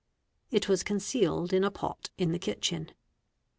It was concealed in a pot in the kitchen.